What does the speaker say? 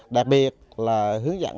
đặc biệt là hướng dẫn